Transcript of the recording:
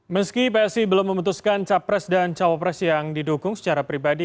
meski psi belum memutuskan capres dan cawapres yang didukung secara pribadi